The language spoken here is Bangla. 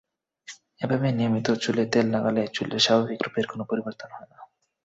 এভাবে নিয়মিত চুলে তেল লাগালে চুলের স্বাভাবিক রূপের কোনো পরিবর্তন হবে না।